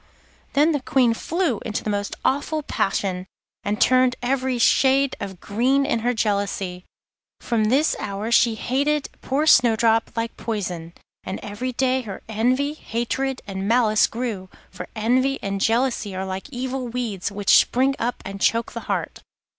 Then the Queen flew into the most awful passion, and turned every shade of green in her jealousy. From this hour she hated poor Snowdrop like poison, and every day her envy, hatred, and malice grew, for envy and jealousy are like evil weeds which spring up and choke the heart.